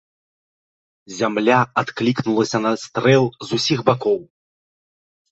Зямля адклікнулася на стрэл з усіх бакоў.